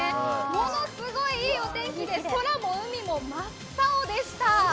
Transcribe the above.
ものすごいいいお天気で空も海も真っ青でした。